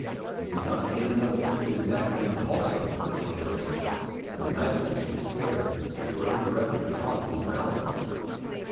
"He is not sane enough to keep his neck from the halter," rejoined Archee. "Your Majesty should spare him, since you are indirectly the cause of his malady."